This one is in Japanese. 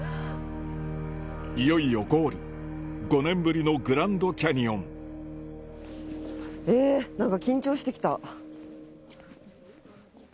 いよいよゴール５年ぶりのグランドキャニオン埋もれてんちゃうか？